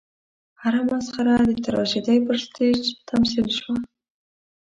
هره مسخره د تراژیدۍ پر سټېج تمثیل شوه.